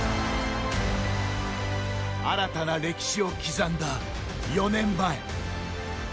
新たな歴史を刻んだ４年前。